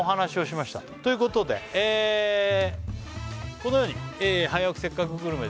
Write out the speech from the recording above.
このように「早起きせっかくグルメ！！」